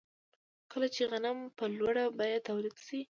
کله چې غنم په لوړه بیه تولید شي